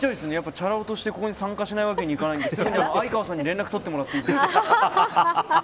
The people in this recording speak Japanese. チャラ男としてここに参加しないわけにはいかないので相川さんに連絡取ってもらっていいですか。